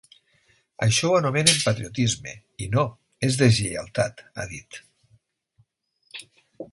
Això ho anomenen patriotisme i no, és deslleialtat, ha dit.